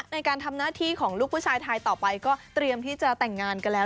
ในการทำหน้าที่ของลูกผู้ชายไทยต่อไปก็เตรียมที่จะแต่งงานกันแล้ว